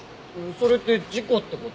それって事故って事？